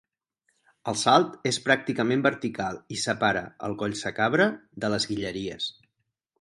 El salt és pràcticament vertical i separa el Collsacabra de les Guilleries.